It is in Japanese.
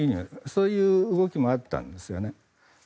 そういう動きもあったんですね。